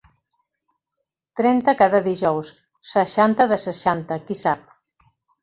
Trenta cada dijous, seixanta de seixanta, qui sap!